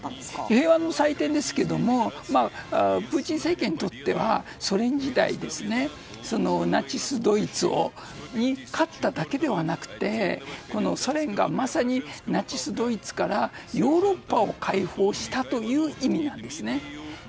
平和の祭典ですけどプーチン政権にとってはソ連時代ですね、ナチスドイツに勝っただけではなくてソ連が、まさにナチスドイツからヨーロッパを解放したという意味なんですね。